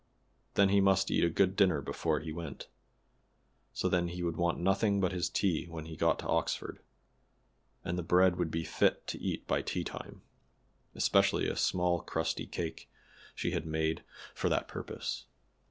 Then he must eat a good dinner before he went, so then he would want nothing but his tea when he got to Oxford; and the bread would be fit to eat by tea time, especially a small crusty cake she had made for that purpose.